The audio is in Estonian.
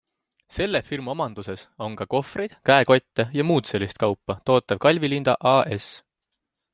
Selle firma omanduses on ka kohvreid, käekotte jms kaupa tootev Galvi-Linda AS.